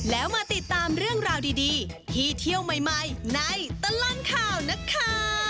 แล้วมาติดตามเรื่องราวดีที่เที่ยวใหม่ในตลอดข่าวนะคะ